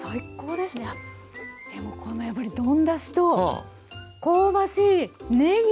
でもこのやっぱり丼だしと香ばしいねぎ！